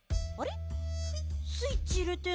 スイッチ入れてんのに。